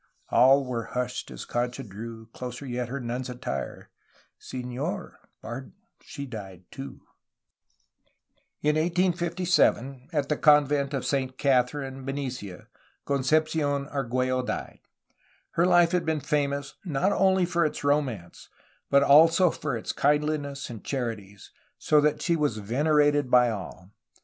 All were hushed as Concha drew Closer yet her nun's attire. 'Senor, pardon, she died, too!' " In 1857, at the Convent of Saint Catherine, Benicia, Concepci6n Arguello died. Her life had been famous not only for its romance but also for its kindliness and charities, so that she was venerated by all.